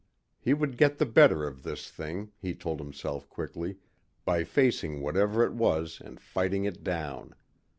He would get the better of this thing, he told himself quickly, by facing whatever it was and fighting it down.